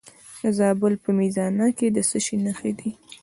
د زابل په میزانه کې د څه شي نښې دي؟